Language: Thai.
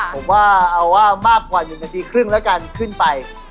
ผมว่าเอาว่ามากกว่า๑นาทีครึ่งแล้วกันขึ้นไป